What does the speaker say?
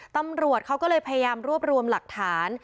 ตำรวจเขาก็เลยพยายามรวบรวมหลักฐาน